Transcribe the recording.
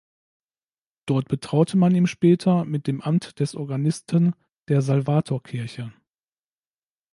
Dort betraute man ihm später mit dem Amt des Organisten der Salvatorkirche.